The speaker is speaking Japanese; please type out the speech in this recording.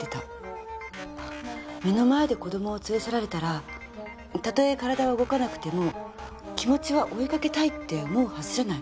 目の前で子供を連れ去られたらたとえ体は動かなくても気持ちは追いかけたいって思うはずじゃない？